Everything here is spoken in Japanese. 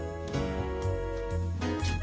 ちょっと。